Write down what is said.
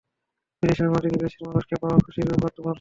বিদেশের মাটিতে দেশের মানুষকে পাওয়া খুশির ব্যাপার - তোমার নাম?